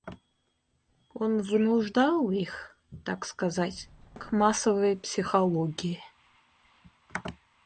Он вынуждал их, так сказать, к массовой психологии.